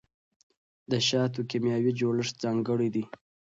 د شاتو کیمیاوي جوړښت ځانګړی دی.